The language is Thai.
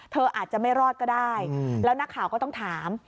เธออาจจะไม่รอดก็ได้แล้วนักข่าวก็ต้องถาม